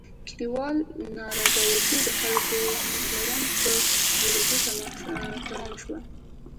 کلیوالو نارضایتي د خلکو ګوند په جوړېدو تمامه شوه.